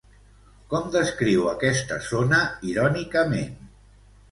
Com descriu aquesta zona, irònicament?